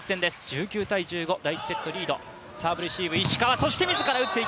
１９−１５、第１セットリード。